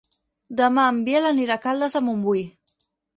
Demà en Biel anirà a Caldes de Montbui.